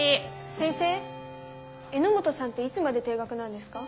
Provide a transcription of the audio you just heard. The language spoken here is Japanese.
先生榎本さんっていつまで停学なんですか？